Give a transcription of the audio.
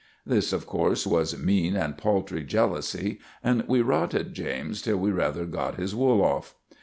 This, of course, was mean and paltry jealousy, and we rotted James till we rather got his wool off.